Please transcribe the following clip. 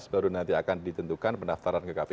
baru nanti akan ditentukan pendaftaran ke kpu